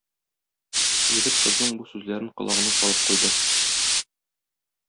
Егет кызның бу сүзләрен колагына салып куйды.